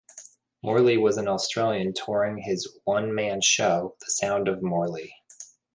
Morley was in Australia touring his one-man show, "The Sound of Morley".